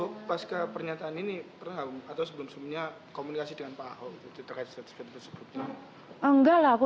una e mailbox kerajaan ini atau sebelumnya komunikasi dengan paha beraganya tersebut